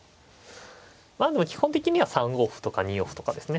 まあでも基本的には３五歩とか２四歩とかですね。